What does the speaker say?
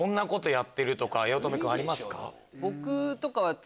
八乙女君ありますか？